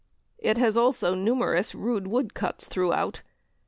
It has also numerous rude wood cuts throughout.